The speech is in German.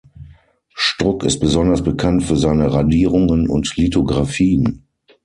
Struck ist besonders bekannt für seine Radierungen und Lithografien.